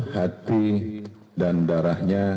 hati dan darahnya